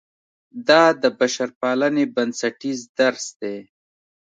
دا د بشرپالنې بنسټیز درس دی.